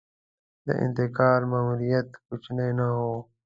د انتقال ماموریت کوچنی نه و.